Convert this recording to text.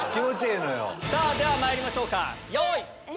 ではまいりましょうか。